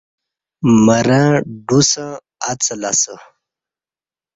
مرں ڈُسݩ اڅلہ اسہ